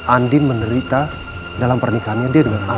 andi menerita dalam pernikahannya dia dengan aldebaran